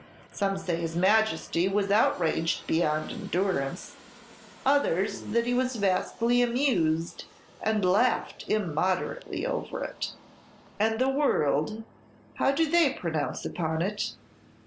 Some say his Majesty was outraged beyond endurance; others, that he was vastly amused, and laughed immoderately over it." "And the world, how do they pronounce upon it?"